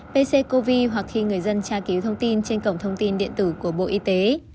pc covid hoặc khi người dân tra cứu thông tin trên cổng thông tin điện tử của bộ y tế